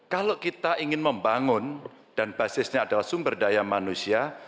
kalau kita ingin membangun dan basisnya adalah sumber daya manusia